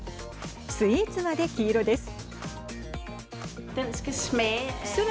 スイーツまで黄色です。